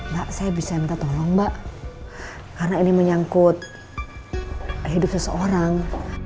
mbak saya bisa minta tolong mbak karena ini menyangkut hidup seseorang